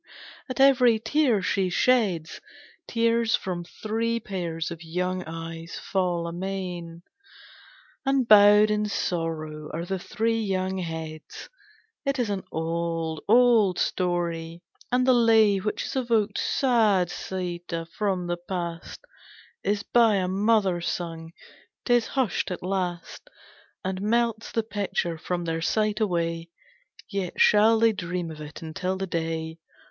at every tear she sheds Tears from three pairs of young eyes fall amain, And bowed in sorrow are the three young heads. It is an old, old story, and the lay Which has evoked sad Sîta from the past Is by a mother sung.... 'Tis hushed at last And melts the picture from their sight away, Yet shall they dream of it until the day!